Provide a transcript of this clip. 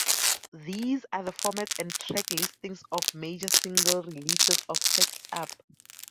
These are the formats and track listings of major single releases of "Sexed Up".